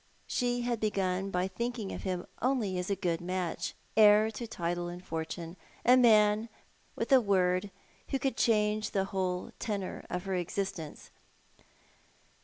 She had begun by thinking of him only as a good match, heir to title and fortune, a man who, with a word, could change the whole tenor of her existence.